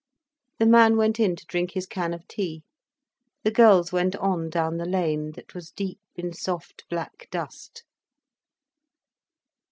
The man went in to drink his can of tea, the girls went on down the lane, that was deep in soft black dust.